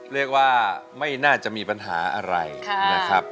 เรียกว่าไม่น่าจะมีปัญหาอะไรนะครับ